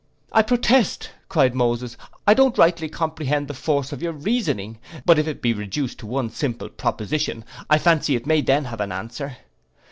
'—'I protest,' cried Moses, 'I don't rightly comprehend the force of your reasoning; but if it be reduced to one simple proposition, I fancy it may then have an answer.